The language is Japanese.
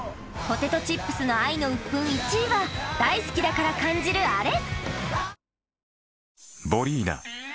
ポテトチップスの愛のウップン１位は大好きだから感じるあれ